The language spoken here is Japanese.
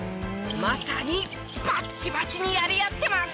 まさにバッチバチにやり合ってます！